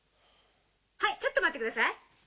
はいちょっと待ってください。